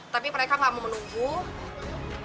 tapi mereka nggak mau menunggu